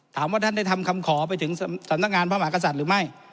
ท่านได้ทำคำขอไปถึงสำนักงานพระมหากษัตริย์หรือไม่